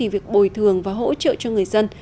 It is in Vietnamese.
việc bồi thường và hỗ trợ cho người dân